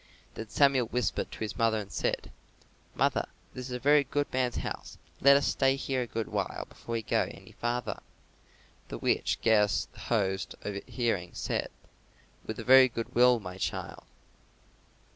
Then Samuel whispered to his mother and said, "Mother, this is a very good man's house; let us stay here a good while before we go any farther." The which Gaius the host overhearing, said, "With a very good will, my child."